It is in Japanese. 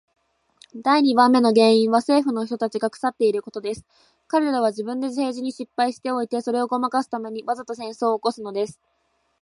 第二番目の原因は政府の人たちが腐っていることです。彼等は自分で政治に失敗しておいて、それをごまかすために、わざと戦争を起すのです。